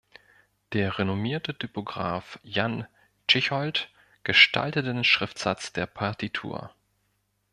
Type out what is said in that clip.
Der renommierte Typograf Jan Tschichold gestaltete den Schriftsatz der Partitur.